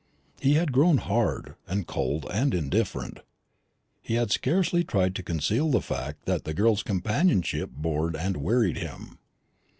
He had grown hard, and cold, and indifferent. He had scarcely tried to conceal the fact that the girl's companionship bored and wearied him.